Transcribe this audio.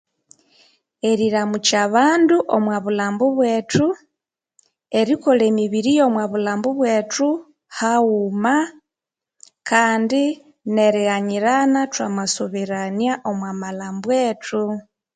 Eriramukya abandu omwabulhambu bwethu erikolha emibiri omwabulhambu bwethu hawuma kandi nerighanyirana thwamasoberania omwamalhambo wethu